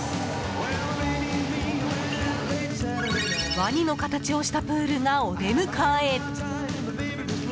ワニの形をしたプールがお出迎え。